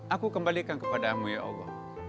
aku kembalikan kepadamu ya allah